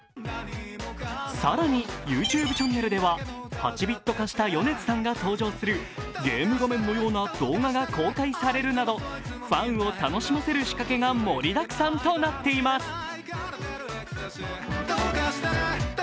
更に、ＹｏｕＴｕｂｅチャンネルでは８ビット化した米津さんが登場するゲーム画面のような動画が公開されるなどファンを楽しませる仕掛けが盛りだくさんとなっています。